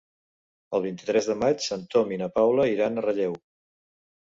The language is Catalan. El vint-i-tres de maig en Tom i na Paula iran a Relleu.